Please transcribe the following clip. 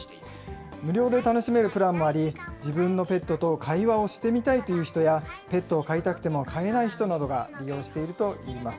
無料で楽しめるプランもあり、自分のペットと会話をしてみたいという人や、ペットを飼いたくても飼えない人などが利用しているといいます。